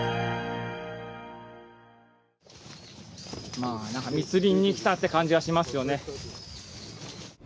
まあなんか密林に来たって感じがしますよね。